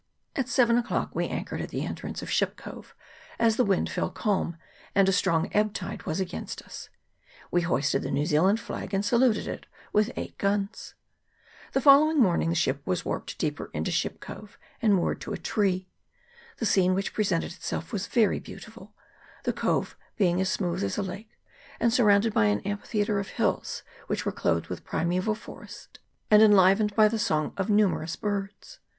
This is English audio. At seven o'clock we anchored at the entrance of Ship Cove, as the wind fell calm, and a strong ebb tide was against us : we hoisted the New Zealand flag, and saluted it with eight guns. The following morning the ship was warped deeper into Ship Cove, and moored to a tree. The scene which presented itself was very beautiful ; the cove being as smooth as a lake, and surrounded by an amphitheatre of hills, which were clothed with primeval forest, and enlivened by the song of numer ous birds.